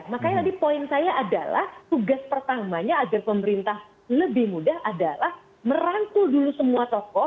makanya tadi poin saya adalah tugas pertamanya agar pemerintah lebih mudah adalah merangkul dulu semua tokoh